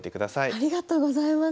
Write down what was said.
ありがとうございます。